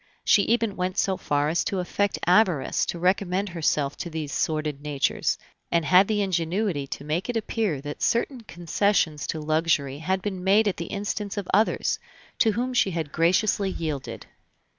She even went so far as to affect avarice to recommend herself to these sordid natures; and had the ingenuity to make it appear that certain concessions to luxury had been made at the instance of others, to whom she had graciously yielded.